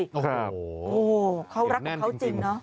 โอ้โหเขารักของเขาจริงเนอะ